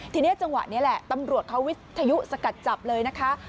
ทีนี้จังหวะนี้แหละตำรวจเขาวิทยุสกัดจับเลยนะคะ